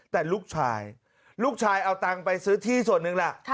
แต่ลูกชายลูกชายเอาตังค์ไปซื้อที่ส่วนหนึ่งแหละ